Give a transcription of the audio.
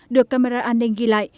được camera an ninh ghi lại